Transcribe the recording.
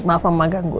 maaf mama ganggu